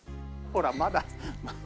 ほらまだ。